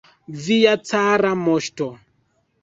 Via cara moŝto!